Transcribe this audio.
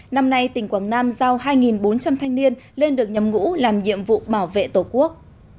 năm nay tỉnh quảng nam giao hai bốn trăm linh thanh niên lên được nhầm ngũ làm nhiệm vụ bảo vệ tổ quốc